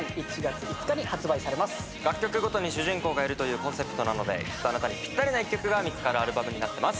楽曲ごとに主人公がいるというコンセプトなのできっとあなたにぴったりな１曲が見つかるアルバムになってます。